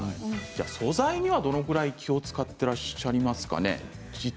素材には気を気を遣ってらっしゃいますか。